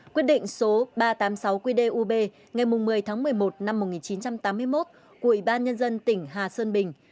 quyết định số ba trăm tám mươi sáu qdub ngày một mươi tháng một mươi một năm một nghìn chín trăm tám mươi một của ủy ban nhân dân tỉnh hà sơn bình